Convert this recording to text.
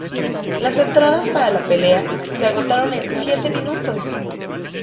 Las entradas para la pelea se agotaron en siete minutos.